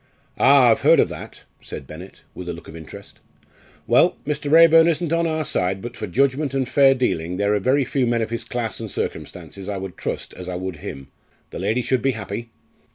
"Ah! I've heard of that," said Bennett, with a look of interest. "Well, Mr. Raeburn isn't on our side, but for judgment and fair dealing there are very few men of his class and circumstances I would trust as I would him. The lady should be happy."